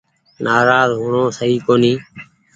نآراز هو ڻو سئي ڪونيٚ ۔